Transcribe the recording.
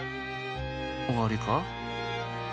おわりか？